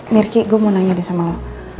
mirki gue mau nanya deh sama lo